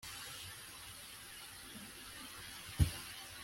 tail-wagging when i laughed, and when